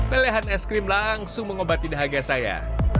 pelehan es krim langsung mengobati dahagia saya